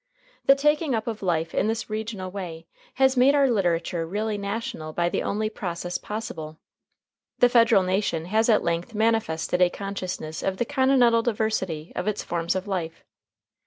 The taking up of life in this regional way has made our literature really national by the only process possible. The Federal nation has at length manifested a consciousness of the continental diversity of its forms of life.